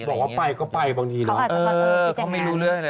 บอกว่าไปก็ไปบางทีเหรอ